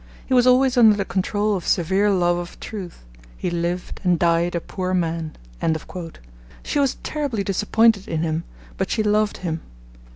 He was always under the control of severe love of truth. He lived and died a poor man.' She was terribly disappointed in him, but she loved him.